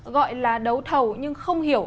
gọi là đấu thầu nhưng không hiểu